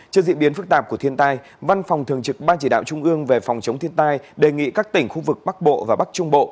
trước diễn biến phức tạp của thiên tai văn phòng thường trực ban chỉ đạo trung ương về phòng chống thiên tai đề nghị các tỉnh khu vực bắc bộ và bắc trung bộ